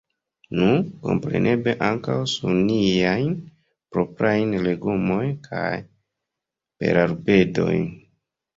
Nu, kompreneble ankaŭ sur niajn proprajn legomojn kaj berarbedojn.